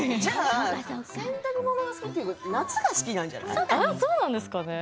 洗濯物が好きというより夏が好きなんじゃない。